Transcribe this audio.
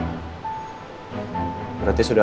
melepeutnya gue anu ya